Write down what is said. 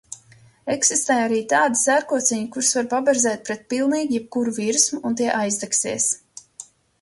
Eksistē arī tādi sērkociņi, kurus var paberzēt pret pilnīgi jebkuru virsmu, un tie aizdegsies.